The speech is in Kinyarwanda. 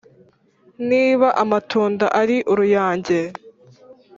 niba amatunda ari uruyange.